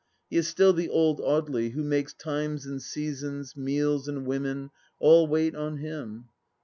He is still the old Audely who makes times and seasons, meals and women, all wait on him.